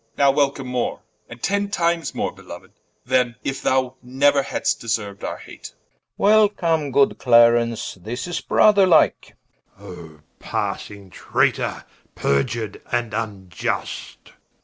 Now welcome more, and ten times more belou'd, Then if thou neuer hadst deseru'd our hate Rich. Welcome good Clarence, this is Brother like Warw. Oh passing Traytor, periur'd and vniust Edw.